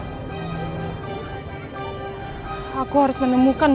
jangan lupakan juga channelku danoga juga danoga